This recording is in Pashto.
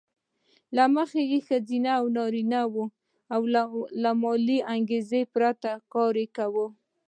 له مخې یې ښځو او نارینه وو له مالي انګېزې پرته کار کاوه